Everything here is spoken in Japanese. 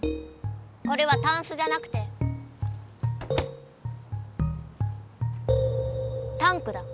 これはタンスじゃなくてタンクだ。